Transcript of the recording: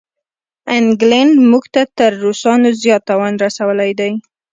انګلینډ موږ ته تر روسانو زیات تاوان رسولی دی.